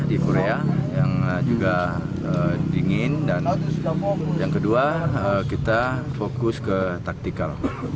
di korea yang juga dingin dan yang kedua kita fokus ke taktikal